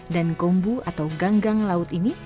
dan kombu atau ganggang laut ini